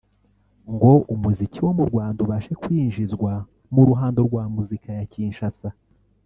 ngo umuziki wo mu Rwanda ubashe kwinjizwa mu ruhando rwa muzika ya Kinshasa